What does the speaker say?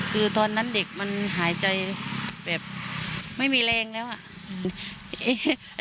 คือตอนนั้นเด็กมันหายใจแบบไม่มีแรงแล้วอ่ะ